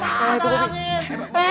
eh itu bobi